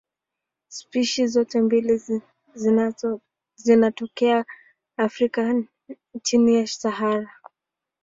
Spishi zote mbili zinatokea Afrika chini ya Sahara.